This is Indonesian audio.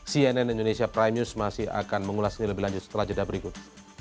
cnn indonesia prime news masih akan mengulas ini lebih lanjut setelah jeda berikut